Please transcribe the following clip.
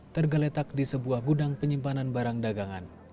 tergeletak di sebuah gudang penyimpanan barang dagangan